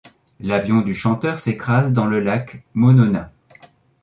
L'avion du chanteur s'écrase dans le lac Monona.